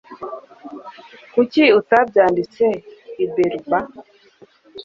Kuki utabyanditse i Berber?